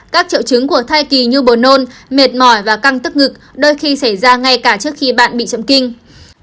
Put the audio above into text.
các triệu chứng của thai kỳ như bồn nôn mệt mỏi và căng tức ngực đôi khi xảy ra ngay cả trước khi bạn bị chậm kinh